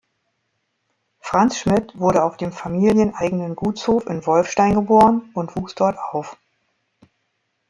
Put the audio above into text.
Franz Schmitt wurde auf dem familieneigenen Gutshof in Wolfstein geboren und wuchs dort auf.